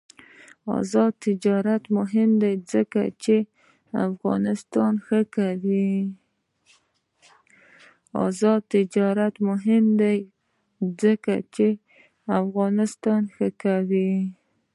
آزاد تجارت مهم دی ځکه چې افغانستان ښه کوي.